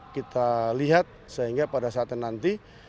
kita lihat sehingga pada saat yang nanti